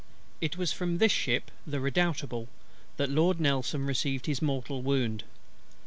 It was from this ship (the Redoutable) that Lord NELSON received his mortal wound.